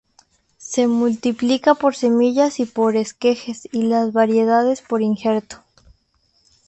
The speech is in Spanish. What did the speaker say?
Se multiplica por semillas y por esquejes; y las variedades por injerto.